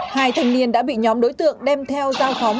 hai thành niên đã bị nhóm đối tượng đem theo giao thông